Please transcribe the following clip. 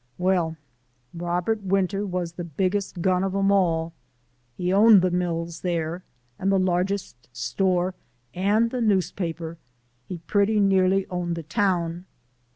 "Well, Robert Winter was the biggest gun of 'em all. He owned the mills there and the largest store and the newspaper he pretty nearly owned the town."